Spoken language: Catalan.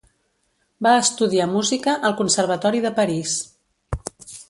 Va estudiar música al Conservatori de París.